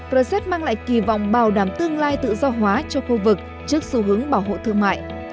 rcep mang lại kỳ vọng bảo đảm tương lai tự do hóa cho khu vực trước xu hướng bảo hộ thương mại